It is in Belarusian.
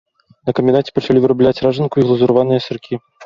На камбінаце пачалі вырабляць ражанку і глазураваныя сыркі.